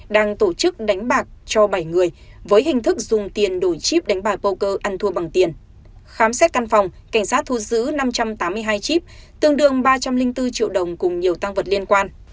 đang tổ chức đánh bạc cho bảy người với hình thức dùng tiền đổi chip đánh bài poker ăn thua bằng tiền khám xét căn phòng cảnh sát thu giữ năm trăm tám mươi hai chip tương đương ba trăm linh bốn triệu đồng cùng nhiều tăng vật liên quan